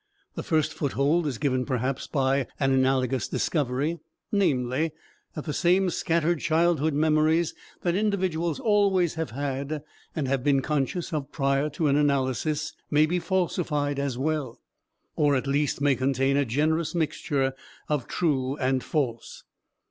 The first foothold is given perhaps by an analogous discovery, namely, that the same scattered childhood memories that individuals always have had and have been conscious of prior to an analysis may be falsified as well, or at least may contain a generous mixture of true and false.